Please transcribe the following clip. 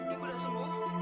ibu udah sembuh